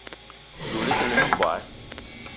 Doula le te lene mbogui.